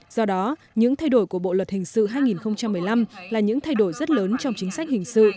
do đó những thay đổi của bộ luật hình sự hai nghìn một mươi năm là những thay đổi rất lớn trong chính sách hình sự